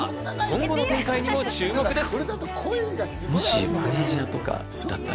今後の展開にも注目です。